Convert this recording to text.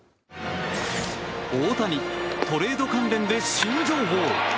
大谷、トレード関連で新情報。